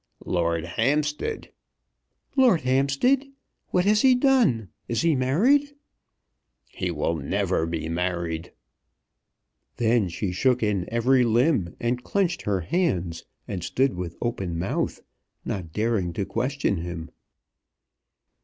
"Lord Hampstead " "Lord Hampstead! What has he done? Is he married?" "He will never be married." Then she shook in every limb, and clenched her hands, and stood with open mouth, not daring to question him.